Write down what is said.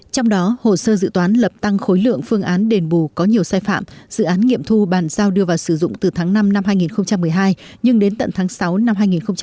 trong đó hồ sơ dự toán lập tăng khối lượng phương án đền bù có nhiều sai phạm dự án nghiệm thu bàn giao đưa vào sử dụng từ tháng năm năm hai nghìn một mươi hai nhưng đến tận tháng sáu năm hai nghìn một mươi bảy